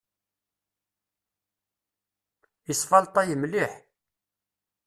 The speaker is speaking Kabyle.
Isfalṭay mliḥ.